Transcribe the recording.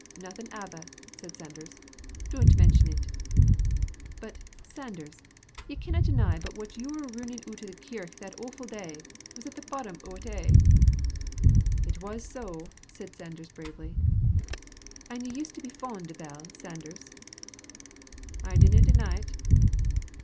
"Nothing ava," said Sanders; "dount mention't." "But, Sanders, ye canna deny but what your rinnin oot o' the kirk that awfu' day was at the bottom o't a'." "It was so," said Sanders, bravely. "An' ye used to be fond o' Bell, Sanders." "I dinna deny't."